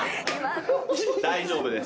大丈夫です。